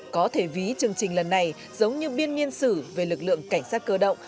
có thể ví chương trình lần này giống như biên niên sử về lực lượng cảnh sát cơ động